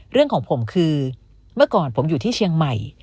เรื่องของผมคือเมื่อก่อนผมอยู่ที่เชียงใหม่